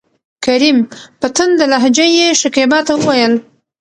کريم : په تنده لهجه يې شکيبا ته وويل: